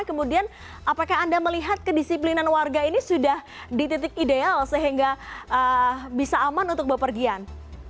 kemudian apakah anda melihat kedisiplinan warga ini sudah di titik ideal sehingga bisa aman untuk bepergian